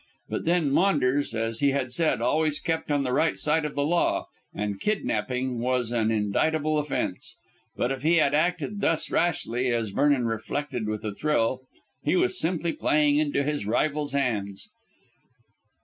But then Maunders as he had said always kept on the right side of the law, and kidnapping was an indictable offence. But if he had acted thus rashly, as Vernon reflected with a thrill, he was simply playing into his rival's hands.